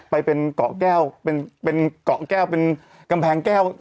ไปเป็นเกาะแก้วเป็นกำแพงแก้ว